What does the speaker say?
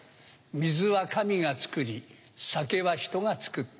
水は神がつくり酒は人が造った。